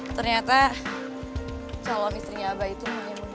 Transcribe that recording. ternyata calon istrinya abah itu mau nyembunyi